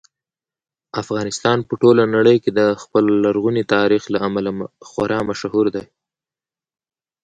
افغانستان په ټوله نړۍ کې د خپل لرغوني تاریخ له امله خورا مشهور دی.